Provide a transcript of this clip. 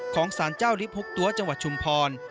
ของสารเจ้าลิฟพกตัวจังหวัดชุมพร